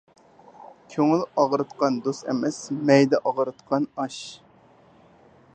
كۆڭۈل ئاغرىتقان دوست ئەمەس، مەيدە ئاغرىتقان ئاش.